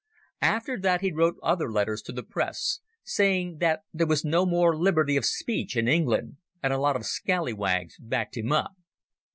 After that he wrote other letters to the Press, saying that there was no more liberty of speech in England, and a lot of scallywags backed him up.